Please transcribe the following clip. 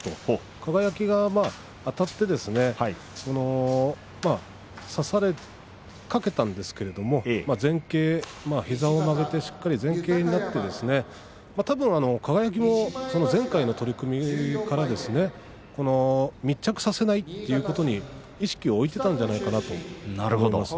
輝があたって差されかけたんですけれども前傾、膝を曲げてしっかり前傾になってたぶん輝も前回の取組から密着させないということに意識を置いていたんじゃないかなと思います。